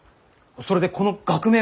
それでこの学名は？